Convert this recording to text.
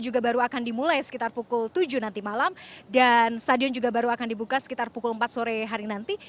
juga baru akan dimulai sekitar pukul tujuh nanti malam dan stadion juga baru akan dibuka sekitar pukul empat sore hari nanti